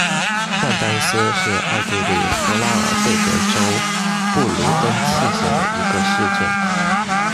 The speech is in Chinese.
万丹斯是奥地利福拉尔贝格州布卢登茨县的一个市镇。